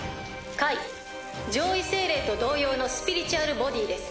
解上位精霊と同様のスピリチュアルボディーです。